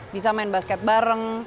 bisa main basket bareng